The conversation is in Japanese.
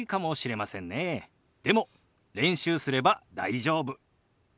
でも練習すれば大丈夫。